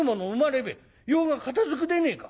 用が片づくでねえか。